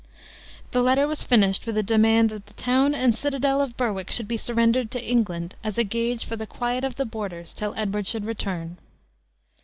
The letter was finished with a demand that the town and citadel of Berwick should be surrendered to England, as a gauge for the quiet of the borders till Edward should return.